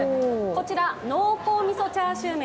こちら、濃厚みそチャーシュー麺